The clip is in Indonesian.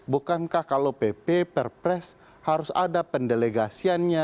bukankah kalau pp perpres harus ada pendelegasiannya